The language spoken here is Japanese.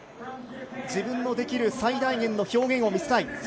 自分のできる最大限の表現を見せたい。